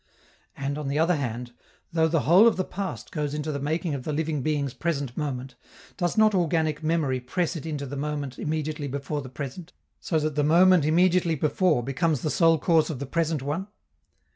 And, on the other hand, though the whole of the past goes into the making of the living being's present moment, does not organic memory press it into the moment immediately before the present, so that the moment immediately before becomes the sole cause of the present one?